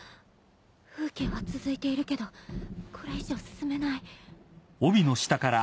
風景は続いているけどこれ以上進めない。